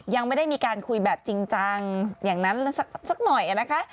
ยังไม่ได้มีการคุยแบบจริงจังอย่างนั้นสักหน่อยนะคะ